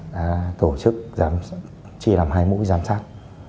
đã tổ chức chia làm hai mũi giám sát